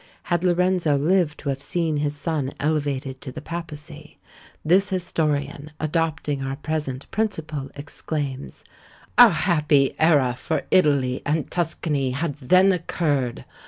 Had Lorenzo lived to have seen his son elevated to the papacy, this historian, adopting our present principle, exclaims, "A happy era for Italy and Tuscany HAD THEN OCCURRED!